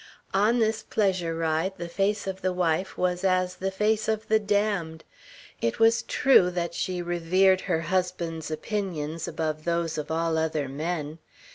On this pleasure ride the face of the wife was as the face of the damned. It was true that she revered her husband's opinions above those of all other men.